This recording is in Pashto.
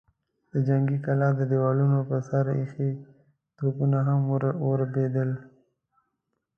د جنګي کلا د دېوالونو پر سر ايښي توپونه هم ودربېدل.